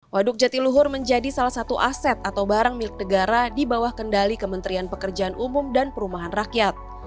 waduk jatiluhur menjadi salah satu aset atau barang milik negara di bawah kendali kementerian pekerjaan umum dan perumahan rakyat